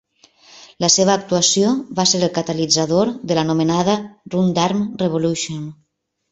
La seva actuació va ser el catalitzador de l'anomenada "roundarm revolution".